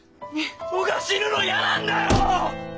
僕は死ぬの嫌なんだよ！